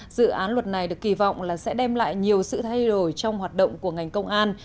dự án luật này được kỳ vọng là sẽ đem lại nhiều sự thay đổi trong hoạt động của ngành công an